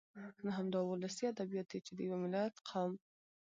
نو همدا ولسي ادبيات دي چې د يوه ملت ، قوم